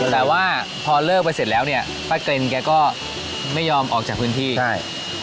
แต่ว่าพอเลิกไปเสร็จแล้วเนี่ยป้าเกร็นแกก็ไม่ยอมออกจากพื้นที่ใช่